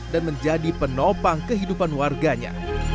dan menjadi penopang kehidupan warganya